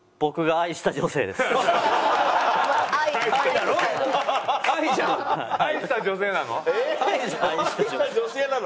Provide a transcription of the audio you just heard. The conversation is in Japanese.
愛した女性なの？